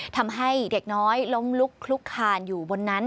ทำให้เด็กน้อยล้มลุกคลุกคานอยู่บนนั้น